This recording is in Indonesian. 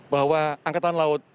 bahwa angkatan laut